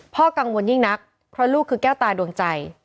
กังวลยิ่งนักเพราะลูกคือแก้วตาดวงใจ